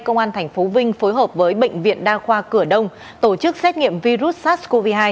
công an tp vinh phối hợp với bệnh viện đa khoa cửa đông tổ chức xét nghiệm virus sars cov hai